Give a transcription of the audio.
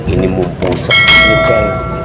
ini mumpung sepuluh ceng